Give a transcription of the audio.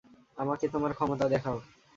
আমাকে তোমার ক্ষমতা দেখাও।